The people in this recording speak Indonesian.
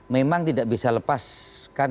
memang tidak bisa lepaskan